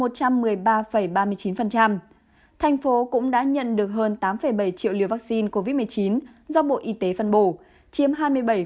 tp hcm cũng đã nhận được hơn tám bảy triệu liều vaccine covid một mươi chín do bộ y tế phân bổ chiếm hai mươi bảy một số lượng của cả nước